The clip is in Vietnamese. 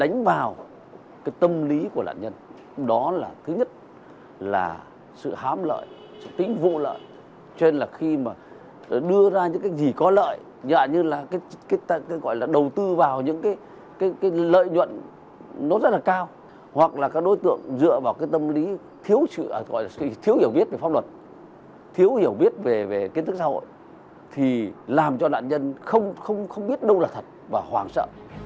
hoặc là các đối tượng dựa vào cái tâm lý thiếu hiểu biết về pháp luật thiếu hiểu biết về kiến thức xã hội thì làm cho nạn nhân không biết đâu là thật và hoàng sợ